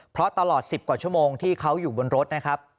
เพราะตลอด๑๐กว่าชั่วโมงที่เขาอยู่บนรถนะครับ